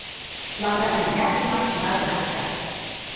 Лавыраже мыняр улмаш, тунар гына пуча.